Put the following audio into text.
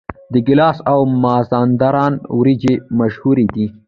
د ګیلان او مازندران وریجې مشهورې دي.